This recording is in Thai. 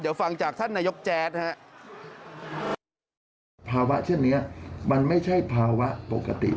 เดี๋ยวฟังจากท่านนายกแจ๊ดนะครับ